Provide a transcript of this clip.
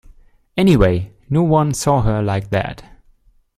Anyway, no one saw her like that.